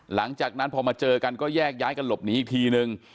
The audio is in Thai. หลังจากนั้นพอมาเจอกันก็แยกย้ายกันหลบหนีอีกทีนึง